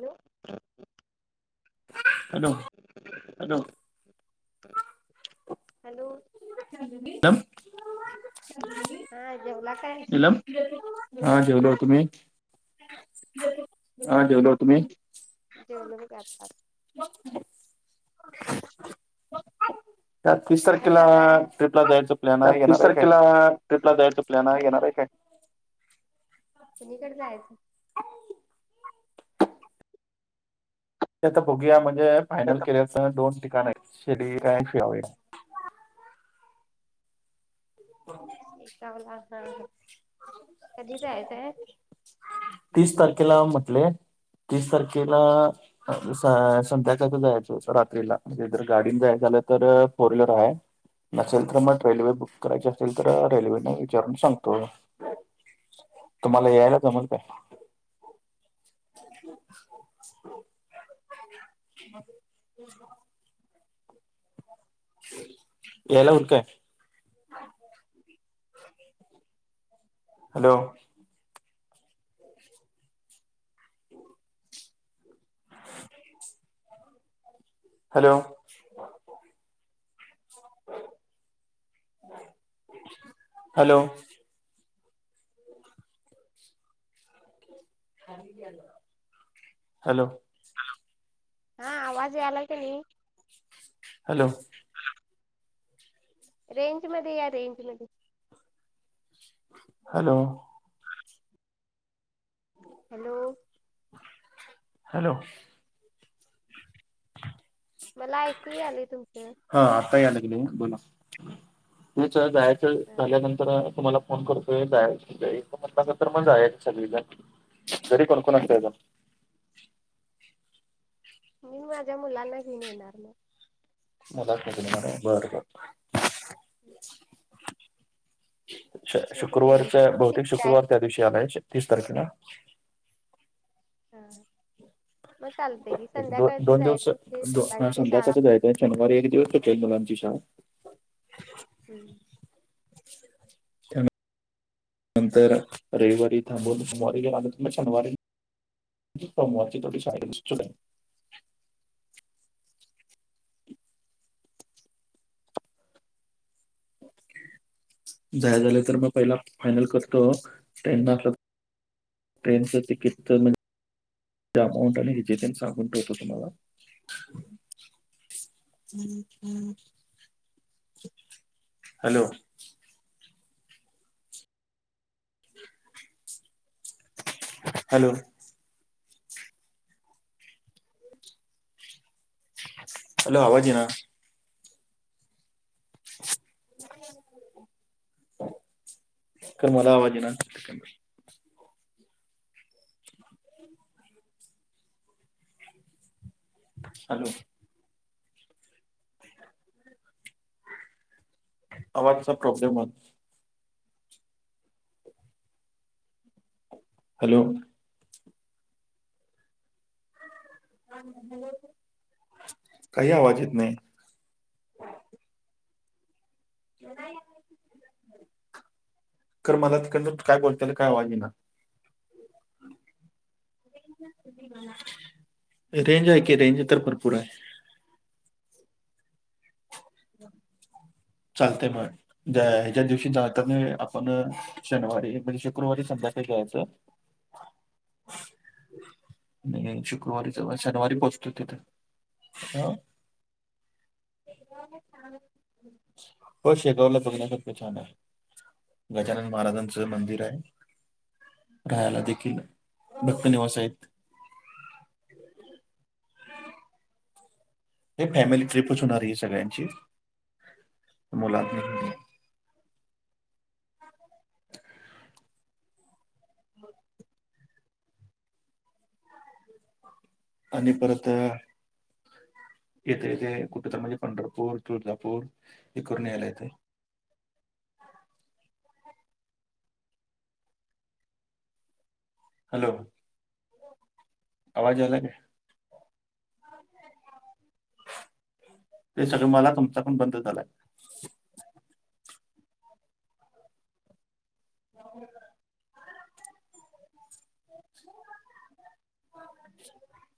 Hello. [inaudible] Hello. [inaudible] Hello. Hello. [unintelligible] [inaudible] हा, जेवला काय? [unintelligible] हॅलो. हा, जेवलो. तुम्ही? हा, जेवलो. तुम्ही? जेवलो बघ आताच. मग, काय? या तीस काय तारखेला. चालू आहे? ट्रिपला, जायच प्लॅनाय. तीस येणारय काय? तारखेला ट्रिपला, जायच प्लॅनाय. येणाराय काय? कुणीकड जायचं? [unintelligible] ते आ बघूया. म्हणजे फायनल केल्यात. दोन ठिकाणयत. शेडी एक हाय न [unintelligible] [unintelligible] येताव [unintelligible] कधी जायचंय? तीस तारखेला म्हटलय. तीस तारखेला स संध्याकाळच जायचं रात्रीला, म्हणजे जर गाडीन जायचं झालं तर फोर व्हीलर आहे. नसेल तर मग रेल्वे बुक करायची असेल तर रेल्वेचं विचारून सांगतो, तुम्हाला यायला जमल काय? हो [unintelligible] मग [unintelligible] यायला होईल काय? हॅलो [inaudible] हॅलो ह [unintelligible] हॅलो हॅलो हॅलो, हा आवाज यालाय कि नाही? हॅलो हॅलो रेंज मध्ये या, रेंज मध्ये हॅलो हॅलो हॅलो मला ऐकू यालंय तुमचं. हा आता यायला लागलंय, बोला, तेच जायचं झाल्यानंतर तुम्हाला फोन करतोय जायच म्हणटल तर, जायच सगळीजण, घरी कोणकोण असतायसा? मी माझ्या मुलांना घेऊन येणार मग मुलासनी घेऊन येणार होय, बरबर. हम्म श शुक्रवारचं, बहुतेक शुक्रवार त्या दिवशी आलाय, तीस तारखेला. हा मग चालतय की, एक दो संध्याकाळच दोन दिवस जायचं म्हणजे हा मुलांची शाळा संध्याकाळच पण जायचंय शनिवारी एक दिवस चुकतंय, मुलांची शाळा. हम्म त्या [unintelligible] नंतर रविवारी थांबून, सोमवारी गेला तरी शनिवारी सोमवारची तेवढी शाळा [unintelligible] जायचं झालं तर मग पहिला फायनल करतो, ट्रेननं असलं त ट्रेनचं टिकीटचं म्हण जे, अमाऊंट आणि हेज तेन सांगून ठेवतो तुम्हाला. हॅलो हॅलो हॅलो, आवाज येईना. खरं मला आवाज येईना. हॅलो आवाजचा प्रॉब्लेम व्हाला हॅलो काही आवाज येत नाही. खरं मला तिकडनं तु काय बोलत्याल काय आवाज येईना. रेंज आहे कि, रेंज तर भरपूर आहे. चालतंय मग ज्या ह्याच्या दिवशी जातना नव्हे आपण शनिवारी म्हणजे शुक्रवारी संध्याकाळी जायचं. [inaudible] नाय शुक्रवारी किंवा शनिवारी पोहोचतोय तिथं. [unintelligible] हो शेगावला बघण्यासारखं छान हाय गजानन महाराजांचं मंदिर हाय. राहायला देखील भक्त निवास हायत. हे फॅमिली ट्रिपच होणार ही सगळ्यांची मुला [inaudible] आणि परत येते येते कुठेतर म्हणजे पंढरपूर तुळजापूर हे करून यायला येतंय. हॅलो. आवाज यायलाय काय? ते सगळं मला तुमचा पण बंद झालंय. [inaudible] [inaudible]